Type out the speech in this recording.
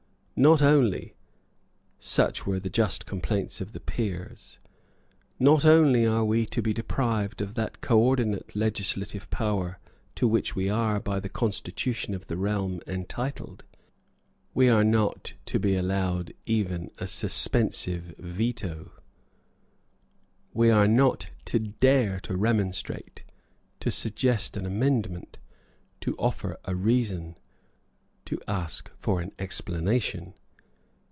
Not only, such were the just complaints of the Peers, not only are we to be deprived of that coordinate legislative power to which we are, by the constitution of the realm, entitled. We are not to be allowed even a suspensive veto. We are not to dare to remonstrate, to suggest an amendment, to offer a reason, to ask for an explanation.